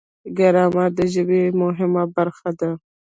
ګرامر د ژبې مهمه برخه ده.